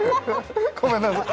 ごめんなさい。